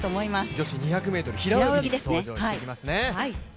女子２００ｍ平泳ぎに登場してきます。